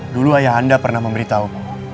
dulu ayah anda pernah memberitahu